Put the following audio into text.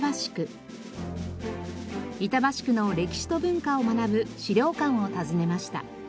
板橋区の歴史と文化を学ぶ資料館を訪ねました。